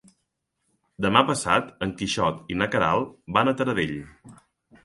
Demà passat en Quixot i na Queralt van a Taradell.